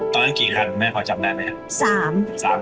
ตอนนั้นกี่คันแม่พอจำได้ไหมครับ